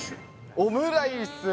オムライス。